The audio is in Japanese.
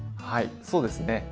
はいそうですね